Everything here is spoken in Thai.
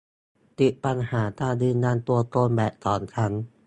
ติดปัญหาการยืนยันตัวตนแบบสองชั้น